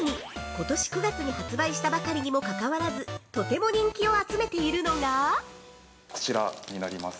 ことし９月に発売したばかりにも関わらず、とても人気を集めているのが◆こちらになります。